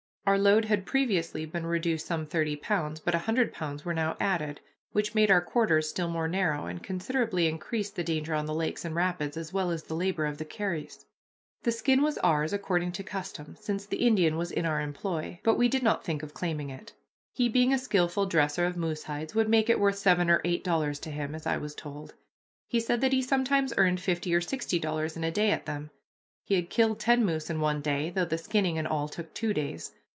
Our load had previously been reduced some thirty pounds, but a hundred pounds were now added, which made our quarters still more narrow, and considerably increased the danger on the lakes and rapids as well as the labor of the carries. The skin was ours according to custom, since the Indian was in our employ, but we did not think of claiming it. He being a skillful dresser of moose hides would make it worth seven or eight dollars to him, as I was told. He said that he sometimes earned fifty or sixty dollars in a day at them; he had killed ten moose in one day, though the skinning and all took two days.